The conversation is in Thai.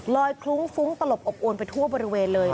คลุ้งฟุ้งตลบอบอวนไปทั่วบริเวณเลย